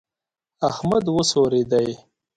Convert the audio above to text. احمد وسورېدی.